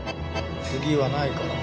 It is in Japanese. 次はないから。